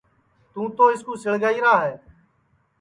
توں تو اِس کُو سِݪگائیرا ہے